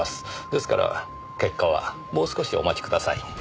ですから結果はもう少しお待ちください。